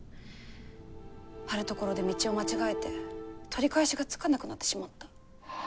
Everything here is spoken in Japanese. あるところで道を間違えて取り返しがつかなくなってしまった。